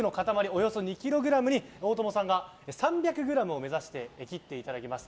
およそ２ｋｇに大友さんが３００ｇを目指して切っていただきます。